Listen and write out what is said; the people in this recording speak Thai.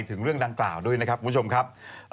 ถึงเรื่องดังกล่าวด้วยนะครับคุณผู้ชมครับ